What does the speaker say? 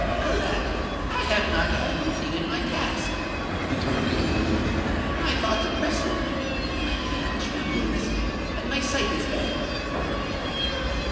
"Alack! I have not half completed my task," returned the old woman: "my thoughts oppress me—my hand trembles—and my sight is bad."